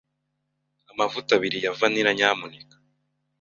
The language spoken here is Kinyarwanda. Amavuta abiri ya vanilla nyamuneka.